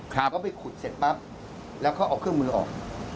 เขาไปขุดเสร็จปั๊บแล้วเขาเอาเครื่องมือออก